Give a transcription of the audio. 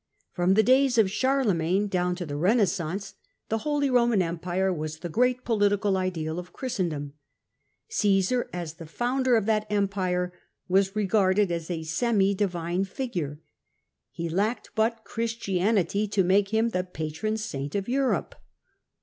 From the days of Charlemagne down to the Renaissance the Holy Roman Empire was the great political ideal of Christendom, Caesar, as the founder of that empire, was regarded as a semi divine figure; he lacked but Chris tianity to make him the patron saint of Europe.